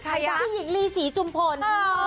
พี่หญิงลีศรีจุมพล